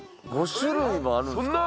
５種類もあるんですか？